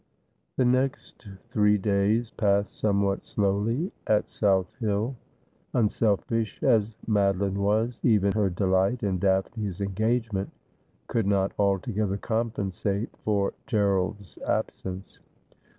The next three days passed somewhat slowly at South Hill. Unselfish as Madoline was, even her delight in Daphne's engage ment could not altogether compensate for G erald's absence.